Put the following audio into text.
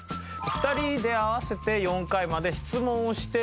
２人で合わせて４回まで質問をしてオッケー。